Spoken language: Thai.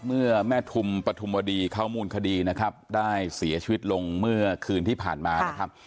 เมื่อแม่ทุมปฐุมวดีเข้ามูลคดีนะครับได้เสียชีวิตลงเมื่อคืนที่ผ่านมานะครับ